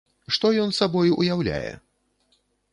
Што ён сабой уяўляе?